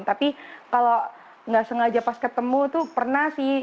tapi kalau nggak sengaja pas ketemu tuh pernah sih